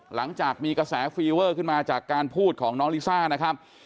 หลังจากมีกระแสฟีเวอร์ขึ้นมาจากการพูดของน้องลิซ่านะครับ